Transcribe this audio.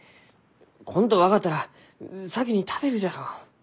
来んと分かったら先に食べるじゃろう。